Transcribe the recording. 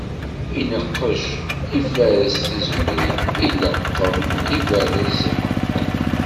Ineqqec, iferres tizemrin, ileqqem, iberrez iḥerqan.